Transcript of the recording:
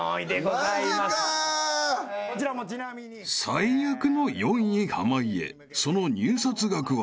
［最悪の４位濱家その入札額は］